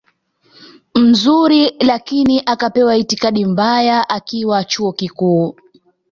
mzuri lakini akapewa itikadi mbaya akiwa chuo kikuu